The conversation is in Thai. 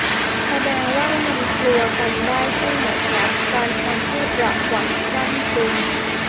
แสดงว่ามันกลัวกันได้ใช่ไหมครับ การทำให้ประหวั่นพรั่นพรึง